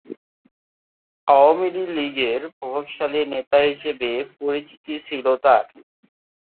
আওয়ামী লীগের প্রভাবশালী নেতা হিসেবে পরিচিতি ছিল তার।